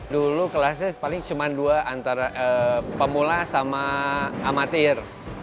dulu kelasnya paling cuma dua antara pemula sama amatir